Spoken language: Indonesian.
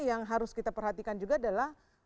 yang harus kita perhatikan juga adalah